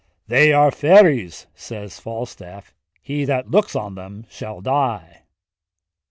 "They are fairies," says Falstaff: "he that looks on them shall die."